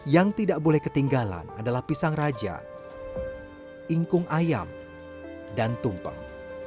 yang tidak boleh ketinggalan adalah pisang raja ingkung ayam dan tumpeng